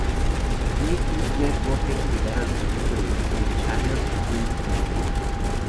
Nicktoons Network es similar al proyecto de Disney Channel, Toon Disney.